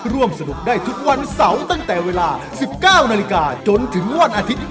ร่วมสนุกได้ทุกวันเสาร์ตั้งแต่เวลา๑๙นาฬิกาจนถึงวันอาทิตย์